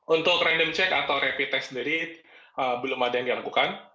untuk random check atau rapid test sendiri belum ada yang dilakukan